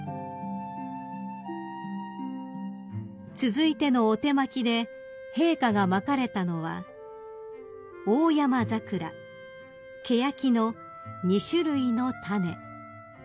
［続いてのお手播きで陛下がまかれたのはオオヤマザクラケヤキの２種類の種］